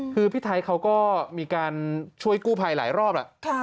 คือพี่ไทยเขาก็มีการช่วยกู้ภัยหลายรอบแล้ว